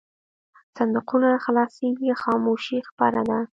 صندوقونه خلاصېږي خاموشي خپره ده.